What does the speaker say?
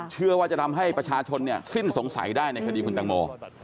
เชื่อว่าจะทำให้ประชาชนสิ้นสงสัยได้ในคดีคุณตังโม